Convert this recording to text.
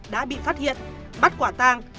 đã bị phát hiện bắt quả tàng